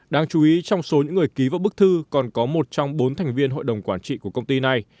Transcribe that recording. đáng chú ý trong số những người ký vào bức thư còn có một trong bốn thành viên hội đồng quản trị của công ty này